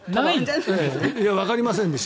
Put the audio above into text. わかりませんでした。